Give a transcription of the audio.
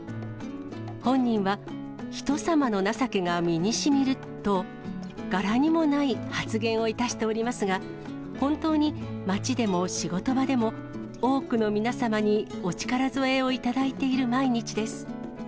本人は、人様の情けが身にしみると、柄にもない発言をいたしておりますが、本当に街でも仕事場でも、多くの皆様にお力添えをいただいている毎日です。